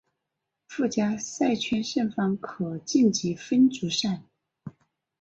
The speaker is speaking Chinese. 附加赛圈胜方可晋级分组赛。